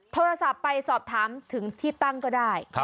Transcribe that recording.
โทรศัพท์ไปสอบถามถึงที่ตั้งก็ได้